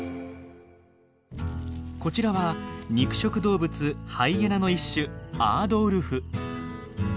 こちらは肉食動物ハイエナの一種アードウルフ。